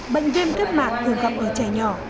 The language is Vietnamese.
bệnh viêm kết mạc thường gặp ở trẻ nhỏ